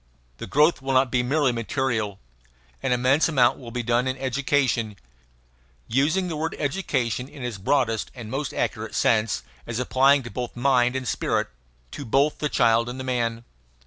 The growth will not be merely material. An immense amount will be done in education; using the word education in its broadest and most accurate sense, as applying to both mind and spirit, to both the child and the man.